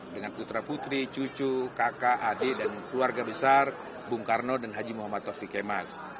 dengan putra putri cucu kakak adik dan keluarga besar bung karno dan haji muhammad taufik kemas